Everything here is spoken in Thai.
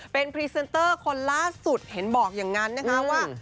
เป็นพรีเซนเตอร์คนล่าสุดเห็นบอกอย่างนั้นนะคะว่า